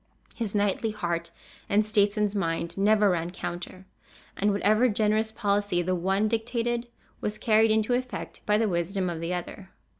His knightly heart and statesman's mind never ran counter, and whatever generous policy the one dictated, was carried into effect by the wisdom of the other.